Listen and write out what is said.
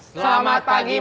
selamat pagi menjelang siang